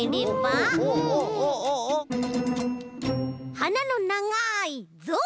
はなのながいぞう！